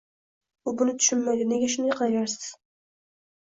U buni tushunmaydi, nega shunday qilaverasiz